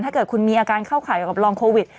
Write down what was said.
ถ้าเกิดคุณมีอาการเข้าข่ายเกี่ยวกับลองโควิด